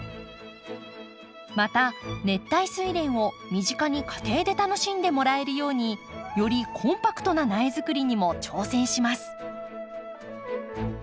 また熱帯スイレンを身近に家庭で楽しんでもらえるようによりコンパクトな苗作りにも挑戦します。